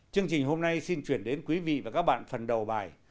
chương trình hôm nay xin chuyển đến quý vị và các bạn phần đầu bài